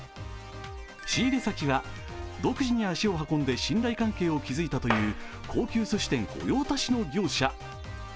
仕入れ先は独自に足を運んで信頼関係を築いたという高級ずし店御用達の業者。